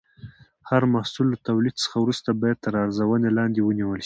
هر محصول له تولید څخه وروسته باید تر ارزونې لاندې ونیول شي.